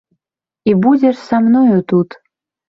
І будзеш са мною тут.